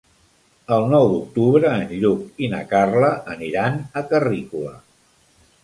El nou d'octubre en Lluc i na Carla aniran a Carrícola.